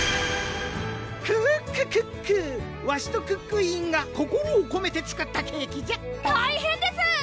クッククックわしとクックイーンが心をこめて作ったケーキじゃ大変です！